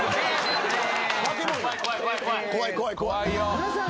皆さん。